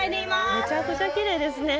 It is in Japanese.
めちゃくちゃきれいですね。